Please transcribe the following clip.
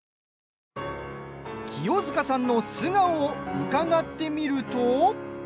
清塚さんの素顔を伺ってみると。